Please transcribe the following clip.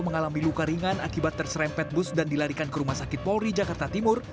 mengalami luka ringan akibat terserempet bus dan dilarikan ke rumah sakit polri jakarta timur